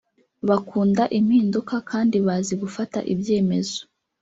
bakunda impinduka kandi bazi gufata ibyemezo